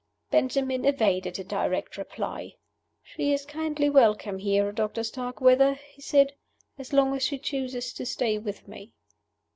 Benjamin evaded a direct reply. "She is kindly welcome here, Doctor Starkweather," he said, "as long as she chooses to stay with me."